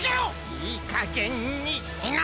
いいかげんにしなさい！